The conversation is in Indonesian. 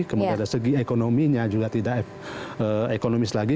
kemudian dari segi ekonominya juga tidak ekonomis lagi